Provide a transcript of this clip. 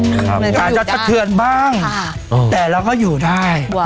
มันก็อยู่ได้อาจจะสะเทือนบ้างค่ะแต่เราก็อยู่ได้ว่า